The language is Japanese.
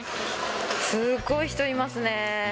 すごい人いますね。